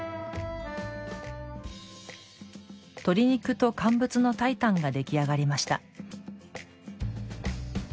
「鶏肉と乾物の炊いたん」が出来上がりました。